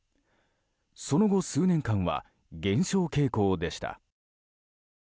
その後数年間は減少傾向でした。